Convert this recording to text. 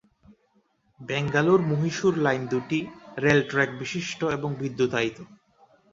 Bangalore-Mysore line দুটি rail truck বিশিষ্ট এবং বিদ্যুতায়িত।